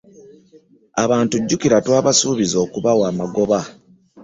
Abantu jjukira twabasuubiza okubawa amagoba.